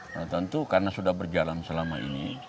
nah tentu karena sudah berjalan selama ini